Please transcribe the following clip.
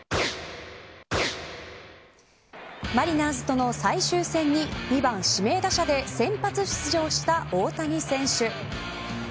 マリナーズとの最終戦に２番指名打者で先発出場した大谷選手。